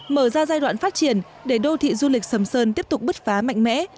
mở ra giai đoạn phát triển để đô thị du lịch sầm sơn tiếp tục bứt phá mạnh mẽ